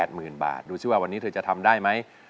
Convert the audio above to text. หมื่นบาทดูสิว่าวันนี้เธอจะทำได้ไหม